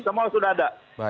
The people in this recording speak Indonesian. semua sudah ada